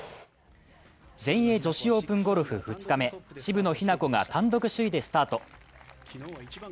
全英女子オープンゴルフ２日目、渋野日向子が単独首位でスタート。